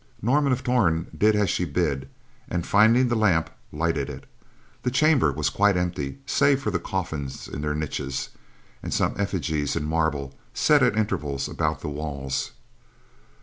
Norman of Torn did as she bid, and finding the lamp, lighted it. The chamber was quite empty save for the coffins in their niches, and some effigies in marble set at intervals about the walls.